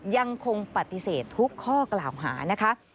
ยังคงปฏิเสธทุกข้อกล่าวหานะคะ